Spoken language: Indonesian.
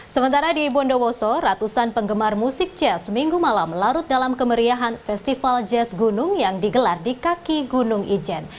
sementara di bondowoso ratusan penggemar musik jazz minggu malam larut dalam kemeriahan festival jazz gunung yang digelar di kaki gunung ijen